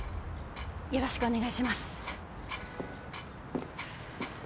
よろしくお願いします。